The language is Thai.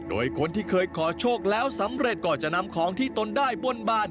โดยคนที่เคยขอโชคแล้วสำเร็จก็จะนำของที่ตนได้บนบาน